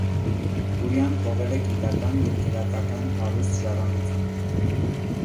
Դուրյան թողել է գիտական և գրակական հարուստ ժառանգություն։